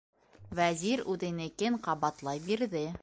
Вәзир үҙенекен ҡабатлай бирҙе: